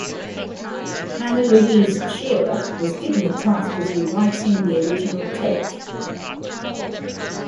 Hannah Louise Shearer was given the task of re-writing the original take.